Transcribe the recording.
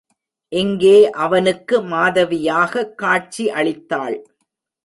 இங்கே அவனுக்கு மாதவியாகக் காட்சி அளித்தாள்.